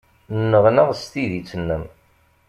Nneɣnaɣ s tiddit-nnem.